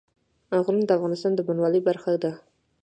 غرونه د افغانستان د بڼوالۍ برخه ده.